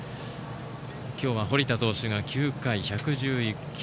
今日は堀田投手が９回１１１球。